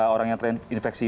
orang yang terinfeksi